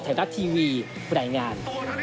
สวัสดีครับ